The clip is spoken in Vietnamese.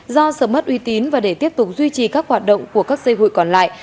do sự mất uy tín và để tiếp tục duy trì các hoạt động của các xây hội còn lại